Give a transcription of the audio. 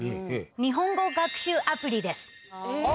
日本語学習アプリです。